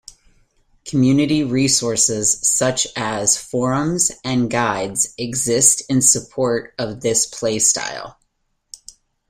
Community resources such as forums and guides exist in support of this play style.